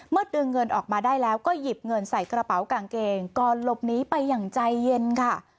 ดึงเงินออกมาได้แล้วก็หยิบเงินใส่กระเป๋ากางเกงก่อนหลบหนีไปอย่างใจเย็นค่ะ